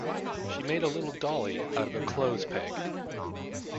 She made a little dolly out of a clothes peg